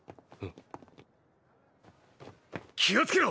気をつけろ！